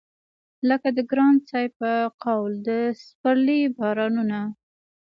لکه د ګران صاحب په قول د سپرلي بارانونه